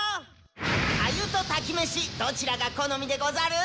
かゆと炊き飯どちらが好みでござる？